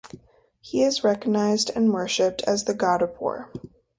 He is recognized and worshipped as the God of war.